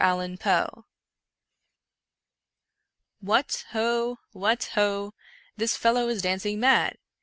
T/ie Gold Bug What ho! what ho! this fellow is dancing mad!